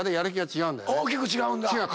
大きく違うんだ。